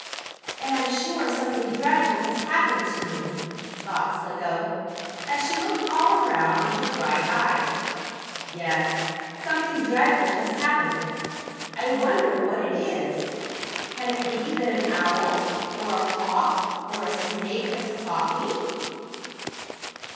"And I'm sure something dreadful has happened to me!" thought Slicko, as she looked all around with her bright eyes. "Yes, something dreadful has happened. I wonder what it is. Can it be that an owl, or a hawk or a snake has caught me?"